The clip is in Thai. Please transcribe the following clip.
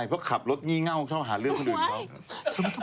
ใช่เพราะขับรถงี้เง่าเข้าหาเรื่องของอื่นบ้าง